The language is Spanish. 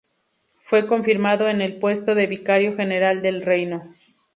Fue confirmado en el puesto de vicario general del reino.